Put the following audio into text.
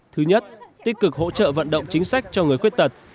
thứ nhất tích cực hỗ trợ vận động chính sách cho người khuyết tật